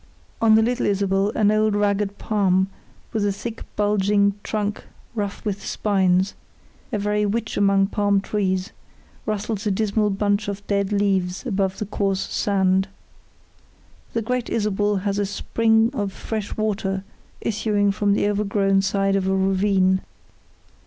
On the Little Isabel an old ragged palm, with a thick bulging trunk rough with spines, a very witch amongst palm trees, rustles a dismal bunch of dead leaves above the coarse sand. The Great Isabel has a spring of fresh water issuing from the overgrown side of a ravine.